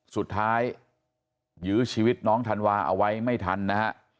สุดท้ายยื้อชีวิตน้องธันวาเอาไว้ไม่ทันนะฮะ